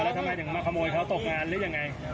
แล้วทำไมถึงมาขโมยเขาตกงานหรือยังไง